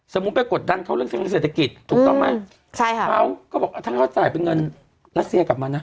ไปกดดันเขาเรื่องเชิงเศรษฐกิจถูกต้องไหมใช่ค่ะเขาก็บอกถ้าเขาจ่ายเป็นเงินรัสเซียกลับมานะ